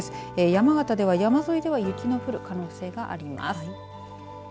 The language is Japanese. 山形では山沿いで雪の降る可能性があります。